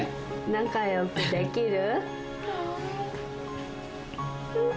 仲良くできる？